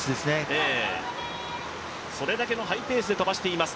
それだけのハイペースで飛ばしています。